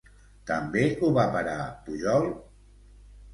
També ho va parar Pujol?